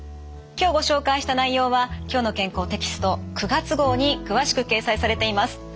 今日ご紹介した内容は「きょうの健康」テキスト９月号に詳しく掲載されています。